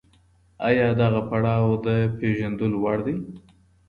آيا دغه پړاو د پېژندلو وړ دی؟